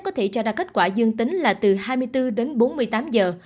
có thể cho ra kết quả dương tính là từ hai mươi bốn đến bốn mươi tám giờ